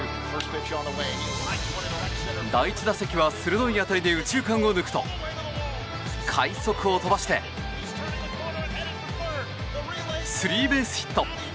第１打席は鋭い当たりで右中間を抜くと快足を飛ばしてスリーベースヒット！